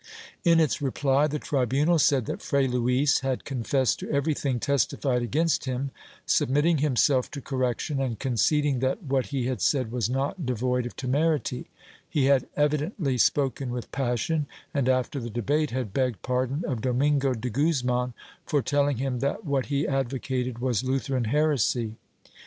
In its reply the tribunal said that Fray Luis had confessed to everything testified against him, submitting himself to correction, and conceding that what he had said was not devoid of temerity; he had evidently spoken with passion and after the debate had begged pardon of Domingo de Guzman for telling him that what he advocated was Lutheran heresy.